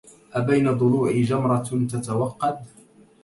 أبين ضلوعي جمرة تتوقد